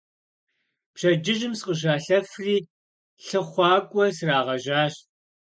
Пщэдджыжьым сыкъыщалъэфри лъыхъуакӀуэ срагъэжьащ.